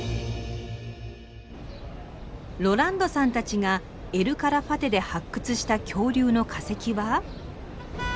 ロランドさんたちがエル・カラファテで発掘した恐竜の化石は。